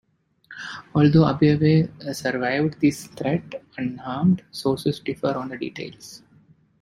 Although Abuye survived this threat unharmed, sources differ on the details.